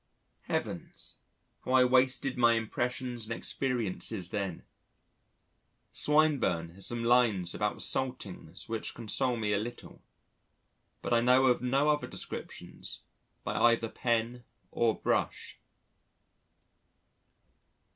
Heavens! how I wasted my impressions and experiences then! Swinburne has some lines about saltings which console me a little, but I know of no other descriptions by either pen or brush.